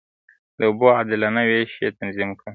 د اوبو عادلانه وېش يې تنظيم کړ.